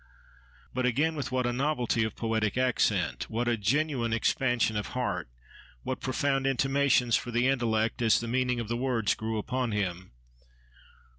But again with what a novelty of poetic accent; what a genuine expansion of heart; what profound intimations for the intellect, as the meaning of the words grew upon him!